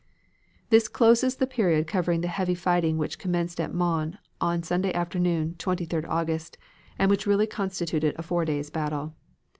"This closes the period covering the heavy fighting which commenced at Mons on Sunday afternoon, 23d August, and which really constituted a four days' battle.